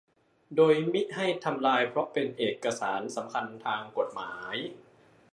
โดยมิให้ทำลายเพราะเป็นเอกสารสำคัญทางกฎหมาย